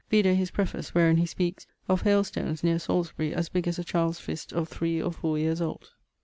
Vide his preface wherin he speakes ☞ of haile stones neer Salisbury as big as a child's fist of three or fower yeeres old.